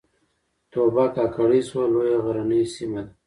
توبه کاکړۍ سوه لویه غرنۍ سیمه ده